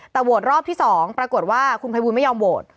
แต่โหวตรอบที่๒ปรากฏว่าคุณภัยบูลไม่ยอมโหวต